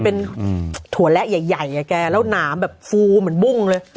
เป็นถั่วและใหญ่กับแกแล้วหนามแบบฟูเหมือนบุ้งเลย